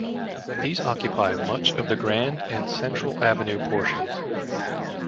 These occupy much of the Grand and Central avenue portions.